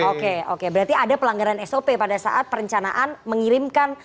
oke oke berarti ada pelanggaran sop pada saat perencanaan mengirimkan